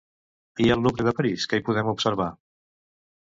I al Louvre de París què hi podem observar?